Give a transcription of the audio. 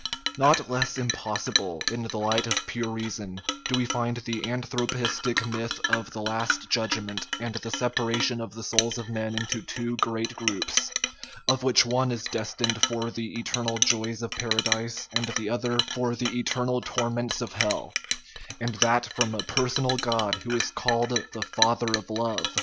Not less impossible, in the light of pure reason, do we find the anthropistic myth of the " last judgment,* and the separation of the souls of men into two great groups, of which one is destined for the eternal joys of Paradise and the other for the eternal torments of hell and that from a personal God who is called the * Father of Love